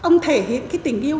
ông thể hiện cái tình yêu